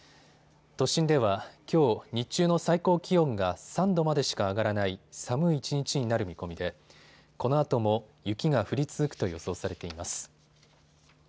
都心では、きょう日中の最高気温が３度までしか上がらない寒い一日になる見込みでこのあとも雪が降り続くと予想されています。